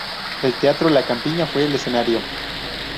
El teatro La Campiña fue el escenario.